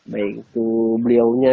baik itu beliaunya